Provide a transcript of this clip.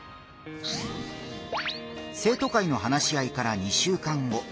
生徒会の話し合いから２週間後。